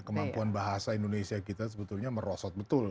kemampuan bahasa indonesia kita sebetulnya merosot betul